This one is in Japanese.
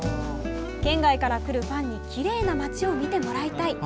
「県外から来るファンにきれいな街を見てもらいたい」。